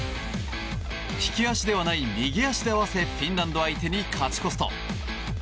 利き足ではない右足で合わせフィンランド相手に勝ち越すと。